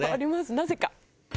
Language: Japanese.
なぜか。